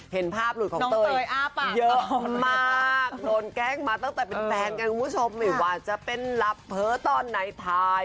เห็นภาพหลุดของเตยเยอะมากโดนแกล้งมาตั้งแต่เป็นแฟนกันคุณผู้ชมไม่ว่าจะเป็นหลับเผลอตอนไหนถ่าย